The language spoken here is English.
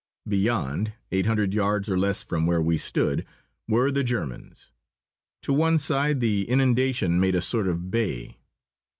Beyond, eight hundred yards or less from where we stood, were the Germans. To one side the inundation made a sort of bay.